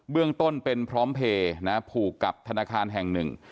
เรื่องต้นเป็นพร้อมเพลย์นะผูกกับธนาคารแห่งหนึ่ง